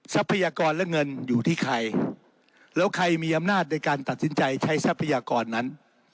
ทรัพยากรและเงินอยู่ที่ใครแล้วใครมีอำนาจในการตัดสินใจใช้ทรัพยากรนั้น